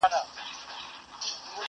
د دروازې له ښورېدو سره سړه سي خونه،